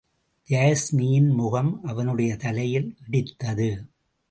யாஸ்மியின் முகம் அவனுடைய தலையில் இடித்தது.